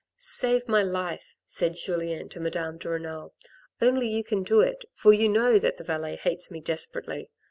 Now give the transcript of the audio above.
"Save my life," said Julien to Madame de Renal; "only you can do it, for you know that the valet hates me desperately.